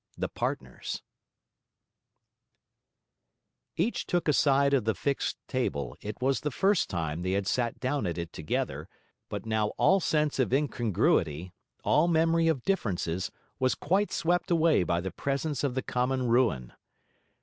THE PARTNERS Each took a side of the fixed table; it was the first time they had sat down at it together; but now all sense of incongruity, all memory of differences, was quite swept away by the presence of the common ruin.